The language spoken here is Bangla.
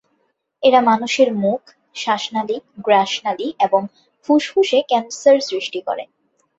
এরা মানুষের মুখ, শ্বাসনালি, গ্রাসনালি এবং ফুসফুসে ক্যান্সার সৃষ্টি করে।